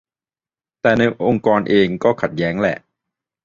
แต่ในองค์กรเองก็ขัดแย้งแหละ